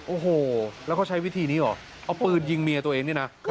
โอ้โหแล้วเขาใช้วิธีนี้เหรอเอาปืนยิงเมียตัวเองเนี่ยนะ